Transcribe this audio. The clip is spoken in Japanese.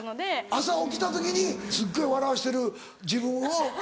朝起きた時にすっごい笑わしてる自分を。